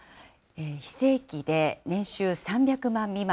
非正規で年収３００万未満。